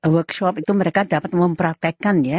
workshop itu mereka dapat mempraktekkan ya